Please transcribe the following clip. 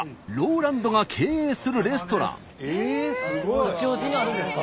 ここは八王子にあるんですか？